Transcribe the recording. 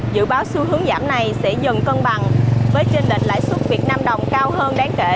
dự báo xu hướng giảm này sẽ dần cân bằng với chương trình lãi suất việt nam đồng cao hơn đáng kể